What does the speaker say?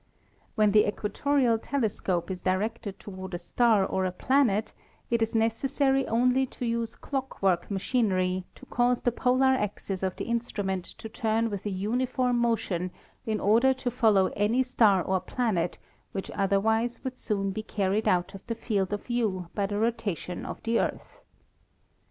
When the equatorial tele scope is directed toward a star or a planet it is necessary only to use clock work machinery to cause the polar axis of the instrument to turn with a uniform motion in order to follow any star or planet which otherwise would soon be carried out of the field of view by the rotation of the Earth.